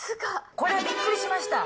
これはびっくりしました。